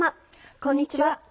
こんにちは。